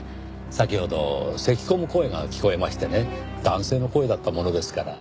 先ほどせき込む声が聞こえましてね男性の声だったものですから。